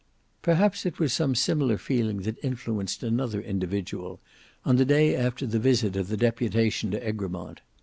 Perhaps it was some similar feeling that influenced another individual on the day after the visit of the deputation to Egremont.